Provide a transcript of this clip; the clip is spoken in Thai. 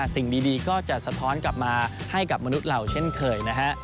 สิ่งดีก็จะสะท้อนกลับมาให้กับมนุษย์เราเช่นเคยนะฮะ